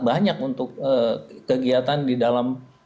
banyak untuk kegiatan di dalam